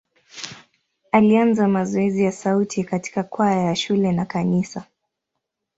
Alianza mazoezi ya sauti katika kwaya ya shule na kanisa.